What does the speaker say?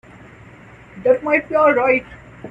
That might be all right.